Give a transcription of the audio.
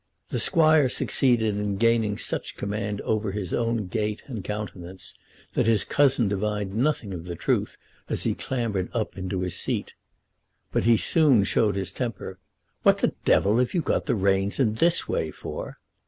The squire succeeded in gaining such command over his own gait and countenance that his cousin divined nothing of the truth as he clambered up into his seat. But he soon showed his temper. "What the devil have you got the reins in this way for?"